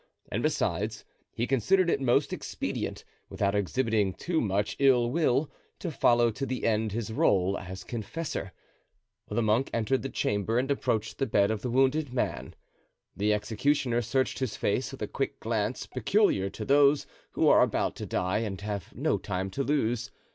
And besides, he considered it most expedient, without exhibiting too much ill will, to follow to the end his role as confessor. The monk entered the chamber and approached the bed of the wounded man. The executioner searched his face with the quick glance peculiar to those who are about to die and have no time to lose.